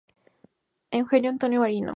Eugene Antonio Marino.